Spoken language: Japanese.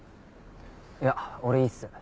いや俺いいっす。